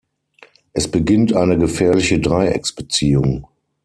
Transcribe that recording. Es beginnt eine gefährliche Dreiecksbeziehung.